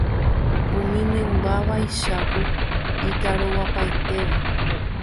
Umi mymba vaicháku itarovapaitéva.